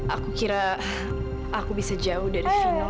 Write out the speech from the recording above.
aku kira aku bisa jauh dari final